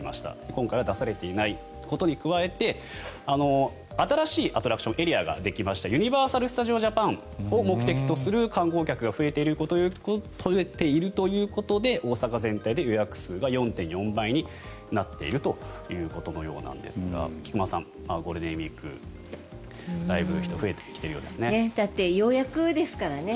今回は出されていないことに加えて新しいアトラクション、エリアができましたユニバーサル・スタジオ・ジャパンを目的とする観光客が増えているということで大阪全体で予約数が４．４倍になっているということのようですが菊間さん、ゴールデンウィークだいぶ人が増えてきてるようですね。